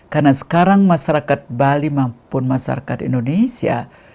karena sekarang masyarakat bali maupun masyarakat indonesia